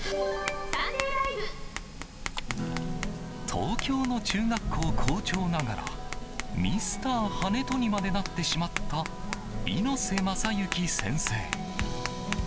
東京の中学校校長ながらミスター跳人にまでなってしまった猪瀬政幸先生。